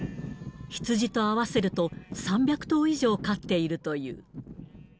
羊と合わせると、３００頭以上飼っているという。